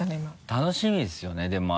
楽しみですよねでも。